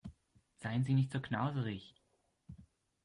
Seien Sie nicht so knauserig!